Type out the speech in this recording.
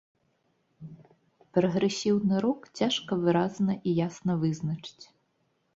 Прагрэсіўны рок цяжка выразна і ясна вызначыць.